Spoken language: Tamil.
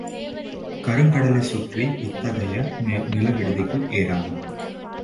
கருங்கடலைச் சுற்றி இத்தஃகைய நலவிடுதிகள் ஏராளம்.